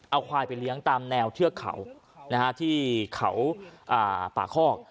เอาควายไปเลี้ยงตามแนวเทือกเขาที่เขาป่าคอก